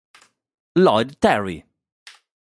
Lloyd Terry